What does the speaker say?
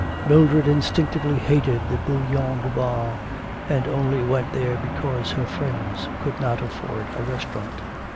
Mildred instinctively hated the Bouillon Duval, and only went there because her friends could not afford a restaurant.